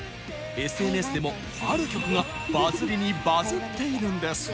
ＳＮＳ でも、ある曲がバズりにバズっているんです。